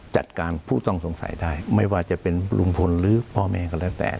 จัดการผู้ต้องสงสัยได้ไม่ว่าจะเป็นลุงพลหรือพ่อแม่ก็แล้วแต่